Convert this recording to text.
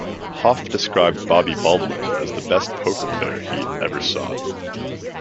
Hoff described Bobby Baldwin as the best poker player he ever saw.